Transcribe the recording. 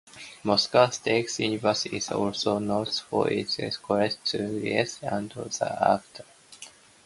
Moscow State University is also known for its contributions to literature and the arts.